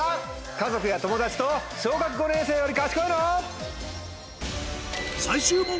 家族や友達と『小学５年生より賢いの？』。